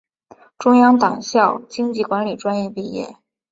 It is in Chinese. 中央党校经济管理专业毕业。